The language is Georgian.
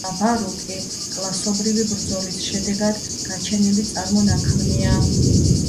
ტაბარუკი კლასობრივი ბრძოლის შედეგად გაჩენილი წარმონაქმნია.